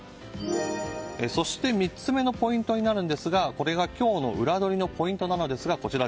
そして、３つ目のポイントになるんですがこれが今日のウラどりのポイントです。